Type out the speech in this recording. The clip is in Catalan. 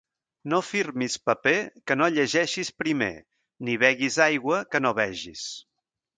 No firmis paper que no llegeixis primer, ni beguis aigua que no vegis.